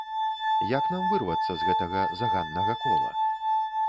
Як нам вырвацца з гэтага заганнага кола?